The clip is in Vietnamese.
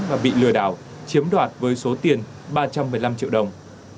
và bị lừa đảo chiếm đoạt với số tiền ba trăm một mươi năm triệu đồng